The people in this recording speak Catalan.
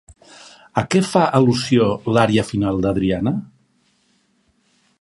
A què fa al·lusió l'ària final d'Adriana?